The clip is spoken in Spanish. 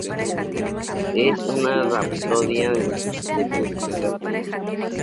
Es una rapsodia de principio a fin.